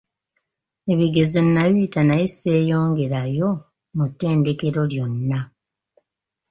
Ebigezo nabiyita naye sseeyongera yo mu ttendekero lyonna!